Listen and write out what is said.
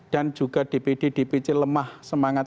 dan juga dpd dpc lemah semangat